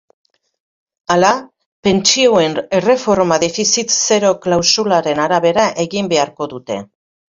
Hala, pentsioen erreforma defizit zero klausularen arabera egin beharko dute.